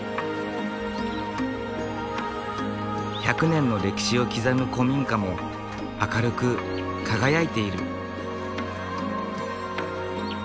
１００年の歴史を刻む古民家も明るく輝いている。